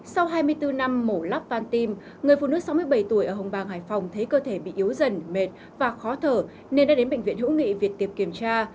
sau hai mươi bốn năm mổ lắp pan tim người phụ nữ sáu mươi bảy tuổi ở hồng bàng hải phòng thấy cơ thể bị yếu dần mệt và khó thở nên đã đến bệnh viện hữu nghị việt tiệp kiểm tra